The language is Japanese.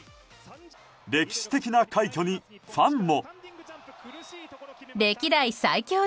歴史的な快挙にファンも。